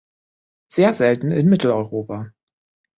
Sehr selten in Mitteleuropa.